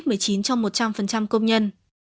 trong một trăm linh công nhân